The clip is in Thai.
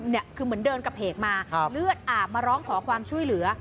เนี่ยคือเหมือนเดินกระเพกมาเลือดอาบมาร้องขอความช่วยเหลือ